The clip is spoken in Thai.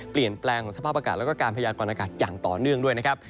เปลี่ยนแปลงสภาพอากาศแล้วก็การพยากรณากาศอย่างต่อเนื่องด้วยนะครับ